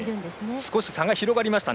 少し差が広がりました。